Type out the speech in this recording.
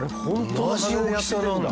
同じ大きさなんだ。